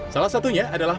salah satunya adalah